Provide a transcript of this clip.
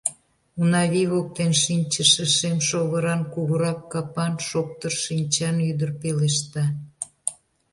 — Унавий воктен шинчыше шем шовыран, кугурак капан, шоптыр шинчан ӱдыр пелешта.